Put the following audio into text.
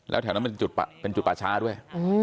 แล้วแถวนั้นเป็นจุดป่าช้าด้วย